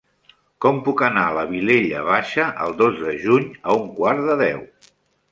Com puc anar a la Vilella Baixa el dos de juny a un quart de deu?